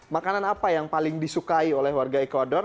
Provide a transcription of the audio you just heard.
makanan apa yang paling disukai oleh warga ecuador